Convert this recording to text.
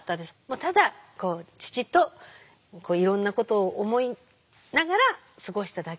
ただこう父といろんなことを思いながら過ごしただけで。